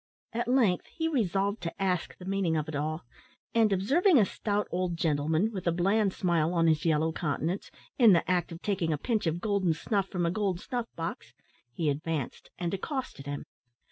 At length he resolved to ask the meaning of it all, and, observing a stout old gentleman, with a bland smile on his yellow countenance, in the act of taking a pinch of golden snuff from a gold snuff box, he advanced and accosted him.